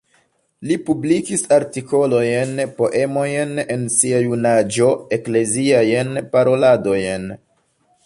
Li publikis artikolojn, poemojn en sia junaĝo, ekleziajn paroladojn.